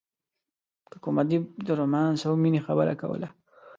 که کوم ادیب د رومانس او مینې خبره کوله.